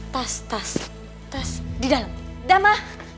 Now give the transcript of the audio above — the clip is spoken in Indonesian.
tas tas tas di dalam dama